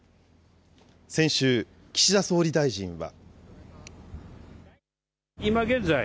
先週、岸田総理大臣は。